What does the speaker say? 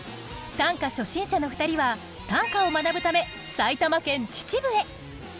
短歌初心者の２人は短歌を学ぶため埼玉県秩父へ。